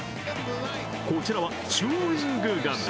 こちらはチューイングガム。